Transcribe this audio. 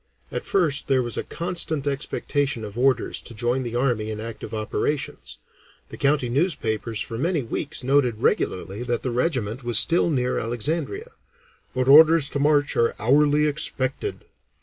At first there was a constant expectation of orders to join the army in active operations; the county newspapers for many weeks noted regularly that the regiment was still near Alexandria, "but orders to march are hourly expected."